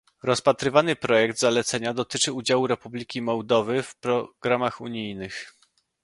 Rozpatrywany projekt zalecenia dotyczy udziału Republiki Mołdowy w programach unijnych